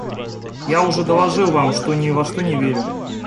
Я уже доложил вам, что ни во что не верю.